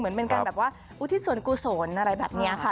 เหมือนเป็นการแบบว่าอุทิศส่วนกุศลอะไรแบบนี้ค่ะ